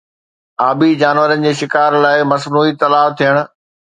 آبي جانورن جي شڪار لاءِ مصنوعي تلاءُ ٿيڻ